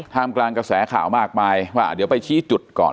มกลางกระแสข่าวมากมายว่าเดี๋ยวไปชี้จุดก่อน